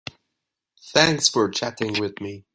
Thanks for chatting with me.